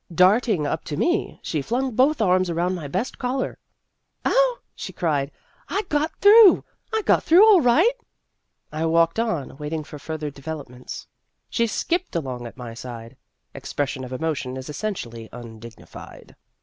Darting up to me, she flung both arms around my best collar. " Oh," she cried, " I got through ! I got through all right !" I walked on, waiting for further develop ments. She skipped along at my side. (Expression of emotion is essentially un dignified.)